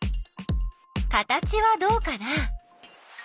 形はどうかな？